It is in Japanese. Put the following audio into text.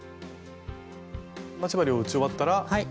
待ち針を打ち終わったら。